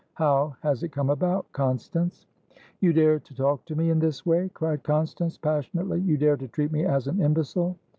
How has it come about, Constance?" "You dare to talk to me in this way!" cried Constance, passionately. "You dare to treat me as an imbecile!